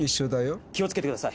気を付けてください。